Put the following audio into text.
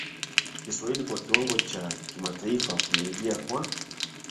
Kiswahili kwa kiwango cha kimataifa Kuingia kwa